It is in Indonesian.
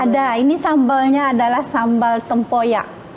ada ini sambelnya adalah sambel tempoyak